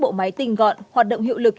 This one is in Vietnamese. bộ máy tình gọn hoạt động hiệu lực